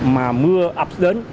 mà mưa ập đến